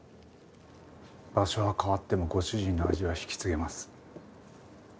場所は変わってもご主人の味は引き継げます。